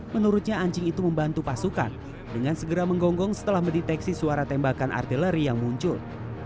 menurutnya anjing itu membantu pasukan dengan segera menggonggong setelah mendeteksi suara tembakan artileri yang muncul